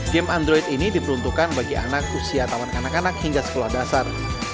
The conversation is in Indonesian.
game android ini diperuntukkan bagi anak usia tawan anak anak hingga sekolah dasar